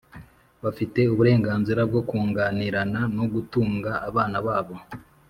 bafite uburenganzira bwo kunganirana no gutunga abana babo.